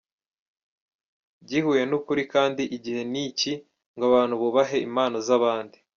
gihuye nukuri kandi igihe ni iki ngo abantu bubahe impano zabandi.